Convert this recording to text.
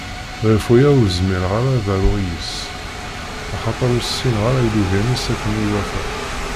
Γef waya ur zmireɣ ara ad aruɣ yis-s, axater ur ssineɣ ara ilugan-is akken iwata.